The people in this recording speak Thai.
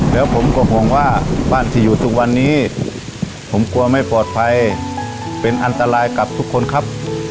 แล้วผมก็ห่วงว่าบ้านที่อยู่ทุกวันนี้ผมกลัวไม่ปลอดภัยเป็นอันตรายกับทุกคนครับ